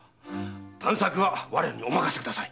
探索は我らにお任せください。